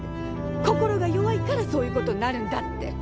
「心が弱いからそういうことになるんだ」って。